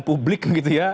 publik gitu ya